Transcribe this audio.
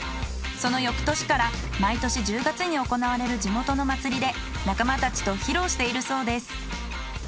その翌年から毎年１０月に行われる地元の祭で仲間たちと披露しているそうです。